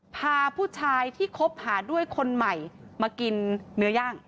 พาผู้ชายที่คบหาด้วยคนใหม่มากินเนื้อย่าง